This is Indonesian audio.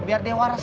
biar dia waras